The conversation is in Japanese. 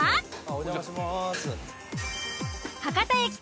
お邪魔します。